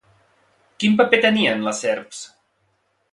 Quin paper tenien les serps?